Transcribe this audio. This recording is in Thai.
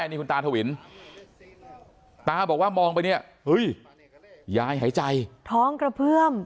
นี่คุณตาทวินตาบอกว่ามองไปเนี่ยเฮ้ยยายหายใจท้องกระเพื่อม